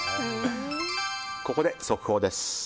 ここで速報です。